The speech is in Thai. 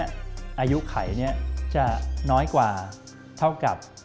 อายุไขนี้จะน้อยกว่าเท่ากับ